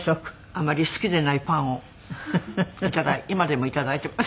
あまり好きでないパンを今でも頂いています。